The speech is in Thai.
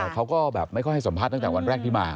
เขาก็แบบไม่ค่อยให้สัมภาษณ์ตั้งแต่วันแรกที่มา